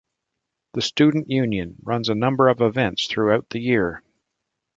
The Student Union runs a number of events throughout the year.